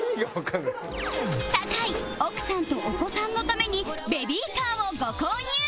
酒井奥さんとお子さんのためにベビーカーをご購入